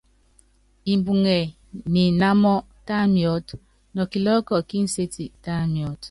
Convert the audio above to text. Mbuŋɛ ni inámɔ, tá miɔ́t, nɔ kilɔ́ɔ́kɔ ki nséti, tá miɔ́t.